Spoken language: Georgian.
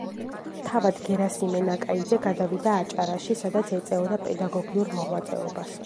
თავად გერასიმე ნაკაიძე გადავიდა აჭარაში, სადაც ეწეოდა პედაგოგიურ მოღვაწეობას.